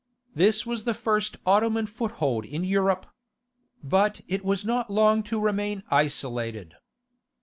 This was the first Ottoman foothold in Europe, but it was not long to remain isolated.